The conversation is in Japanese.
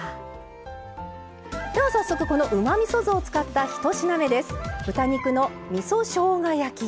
では早速このうまみそ酢を使った１品目です。